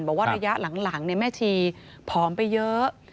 บอกว่าระยะหลังแม่ชีผอมไปเยอะ